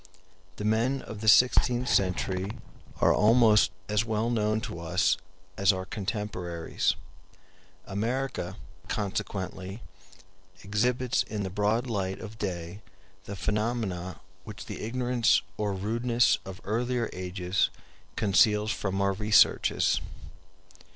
The men of the sixteenth century are almost as well known to us as our contemporaries. America, consequently, exhibits in the broad light of day the phenomena which the ignorance or rudeness of earlier ages conceals from our researches.